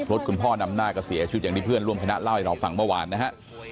คุณพ่อนำหน้าก็เสียชีวิตอย่างที่เพื่อนร่วมคณะเล่าให้เราฟังเมื่อวานนะฮะ